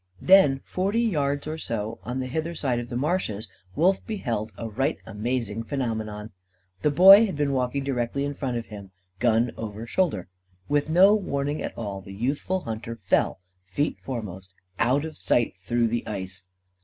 Then, forty yards or so on the hither side of the marshes, Wolf beheld a right amazing phenomenon. The Boy had been walking directly in front of him, gun over shoulder. With no warning at all, the youthful hunter fell, feet foremost, out of sight, through the ice.